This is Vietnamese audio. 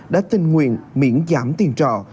đã tình nguyện miễn giảm tiền trọ